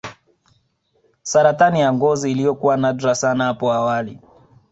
Saratani ya ngozi iliyokuwa nadra sana hapo awali